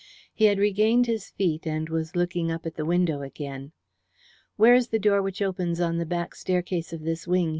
He had regained his feet, and was looking up at the window again. "Where is the door which opens on the back staircase of this wing?"